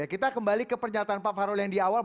kita kembali ke pernyataan pak fahrul yang di awal